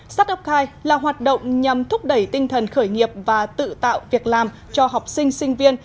startup kine là hoạt động nhằm thúc đẩy tinh thần khởi nghiệp và tự tạo việc làm cho học sinh sinh viên